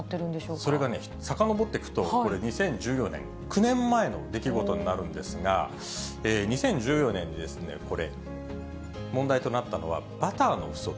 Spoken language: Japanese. それがさかのぼっていくと、これ、２０１４年、９年前の出来事になるんですが、２０１４年にこれ、問題となったのは、バターの不足。